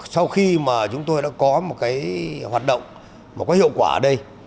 sau khi mà chúng tôi đã có một cái hoạt động một cái hiệu quả ở đây